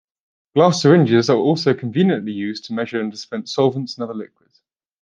Glass syringes are also conveniently used to measure and dispense solvents and other liquids.